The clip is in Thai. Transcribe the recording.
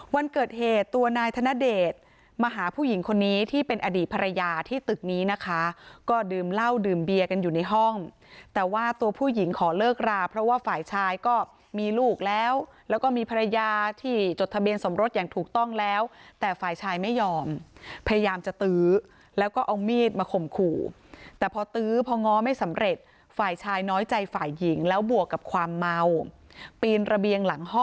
วันเกิดเหตุตัวนายธนเดชมาหาผู้หญิงคนนี้ที่เป็นอดีตภรรยาที่ตึกนี้นะคะก็ดื่มเหล้าดื่มเบียกันอยู่ในห้องแต่ว่าตัวผู้หญิงขอเลิกราเพราะว่าฝ่ายชายก็มีลูกแล้วแล้วก็มีภรรยาที่จดทะเบียนสมรสอย่างถูกต้องแล้วแต่ฝ่ายชายไม่ยอมพยายามจะตื้อแล้วก็เอามีดมาข่มขู่แต่พอตื้อพอง้อไม่สำเร็จฝ่ายชายน้อยใจฝ่ายหญิงแล้วบวกกับความเมาปีนระเบียงหลังห